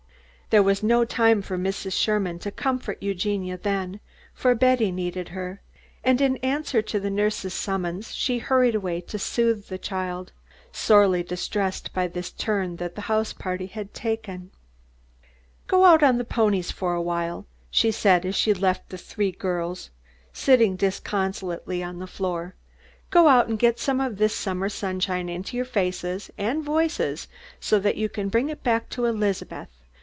There was no time for Mrs. Sherman to comfort Eugenia then, for Betty needed her, and in answer to the nurse's summons she hurried away to soothe the child, sorely distressed by this turn that the house party had taken. "Go out on the ponies for awhile," she said, as she left the three girls sitting disconsolately on the floor. "Go out and get some of this summer sunshine into your faces and voices so that you can bring it back to Elizabeth.